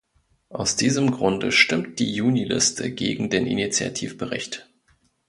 Aus diesem Grunde stimmt die Juniliste gegen den Initiativbericht.